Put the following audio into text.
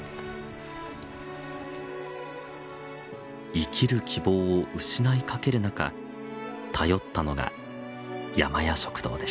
生きる希望を失いかけるなか頼ったのが山家食堂でした。